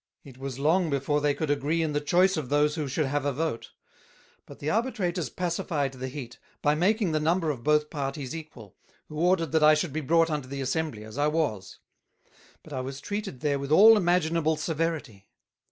It was long before they could agree in the Choice of those who should have a Vote; but the Arbitrators pacified the heat, by making the number of both parties equal, who ordered that I should be brought unto the Assembly, as I was: But I was treated there with all imaginable Severity.